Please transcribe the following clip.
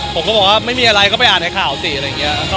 ผมก็บอกว่าไม่มีอะไรก็ไปอ่านให้ข่าวสิอะไรอย่างนี้